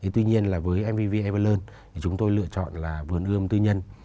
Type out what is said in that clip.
tuy nhiên là với mvv everlearn thì chúng tôi lựa chọn là vườn ươm tư nhân